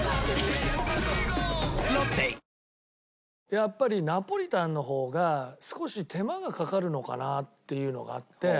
やっぱりナポリタンの方が少し手間がかかるのかなっていうのがあって。